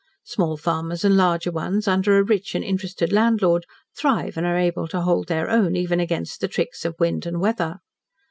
Small farmers and larger ones, under a rich and interested landlord, thrive and are able to hold their own even against the tricks of wind and weather.